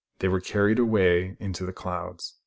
They were carried away into the clouds.